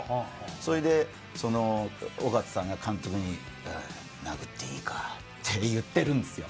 それでその緒形さんが監督に「殴っていいか？」って言ってるんですよ